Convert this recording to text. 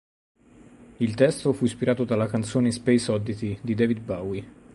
Il testo fu ispirato dalla canzone "Space Oddity" di David Bowie.